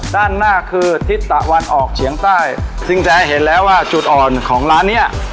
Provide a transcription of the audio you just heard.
ด้านหน้าคือทิศตะวันออกเฉียงใต้ซึ่งจะให้เห็นแล้วว่าจุดอ่อนของร้านเนี้ย